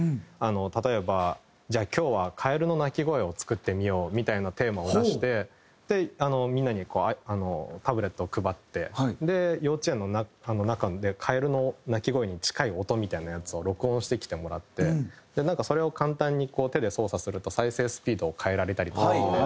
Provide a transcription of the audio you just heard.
例えば「じゃあ今日はカエルの鳴き声を作ってみよう」みたいなテーマを出してみんなにタブレットを配って幼稚園の中でカエルの鳴き声に近い音みたいなやつを録音してきてもらって。なんかそれを簡単に手で操作すると再生スピードを変えられたり。